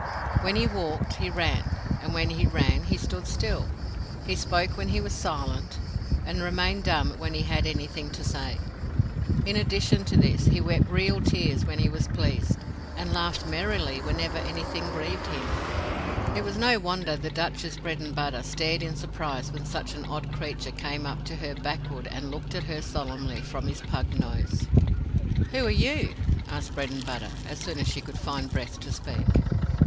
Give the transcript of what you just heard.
When he walked he ran, and when he ran he stood still. He spoke when he was silent and remained dumb when he had anything to say. In addition to this, he wept real tears when he was pleased, and laughed merrily whenever anything grieved him. It was no wonder the Duchess Bredenbutta stared in surprise when such an odd creature came up to her backward and looked at her solemnly from his pug nose. "Who are you?" asked Bredenbutta, as soon as she could find breath to speak.